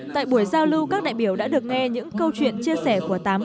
tại buổi giao lưu các đại biểu đã được nghe những câu chuyện chia sẻ của tám cán bộ